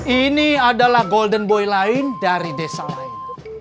ini adalah golden boy lain dari desa lain